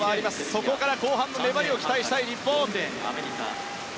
そこから後半の粘りを期待したい日本。